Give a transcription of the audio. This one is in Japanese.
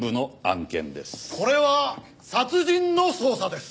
これは殺人の捜査です！